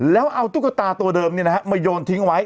แล้วเอาตุ๊กตาตัวเดิมเนี่ยนะฮะมาโยนทิ้งไว้